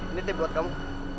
ini deh buat kamu